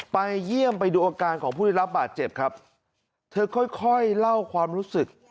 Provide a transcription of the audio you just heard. ไปเยี่ยมไปดูอาการของผู้ได้รับบาดเจ็บครับเธอค่อยค่อยเล่าความรู้สึก